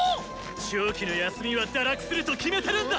長期の休みは堕落すると決めてるんだ！